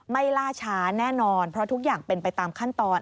ล่าช้าแน่นอนเพราะทุกอย่างเป็นไปตามขั้นตอน